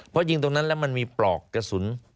เพราะยิงตรงนั้นแล้วมันมีปลอกกระสุน